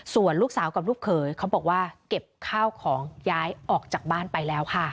ส่วนลูกสาวกับลูกเขยเขาบอกว่าเก็บข้าวของย้ายออกจากบ้านไปแล้วค่ะ